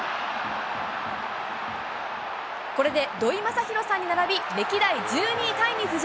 これで土井正博さんに並び、歴代１２位タイに浮上。